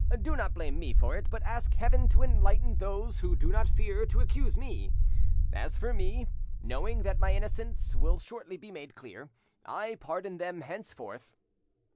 Do not blame me for it; but ask Heaven to enlighten those who do not fear to accuse me. As for me, knowing that my innocence will shortly be made clear, I pardon them henceforth."